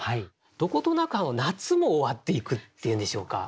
どことなく夏も終わっていくっていうんでしょうか。